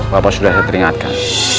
bapak sudah teringatkan